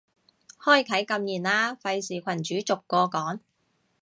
開啟禁言啦，費事群主逐個講